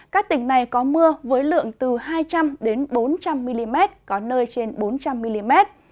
các tỉnh này có mưa với lượng từ hai trăm linh bốn trăm linh mm có nơi trên bốn trăm linh mm